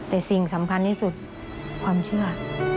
แต่สิ่งสำคัญที่สุดความเชื่อ